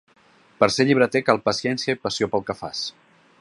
Per ser llibreter cal paciència i passió pel que fas.